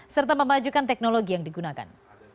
serta memajukan teknologi yang digunakan